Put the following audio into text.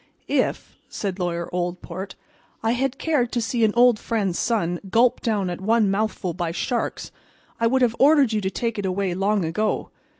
"If," said Lawyer Oldport, "I had cared to see an old friend's son gulped down at one mouthful by sharks I would have ordered you to take it away long ago.